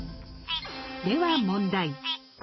では問題。